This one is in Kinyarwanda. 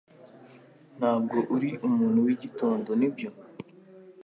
Ntabwo uri umuntu wigitondo nibyo